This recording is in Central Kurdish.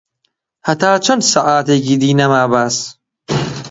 هەتا چەن ساعەتێکی دی نەما باس